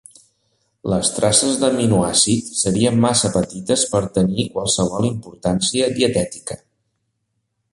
Les traces d'aminoàcid serien massa petites per tenir qualsevol importància dietètica.